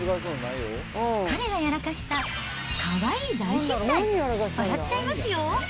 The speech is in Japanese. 彼がやらかしたかわいい大失態、笑っちゃいますよ。